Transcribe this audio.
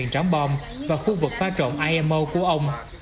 trám bòm và khu vực pha trộn imo của ông